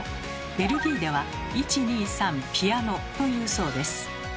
ベルギーでは「１２３ピアノ」と言うそうです。